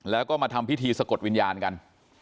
แล้วก็มาทำพิธีสะกดวิญญาณกัน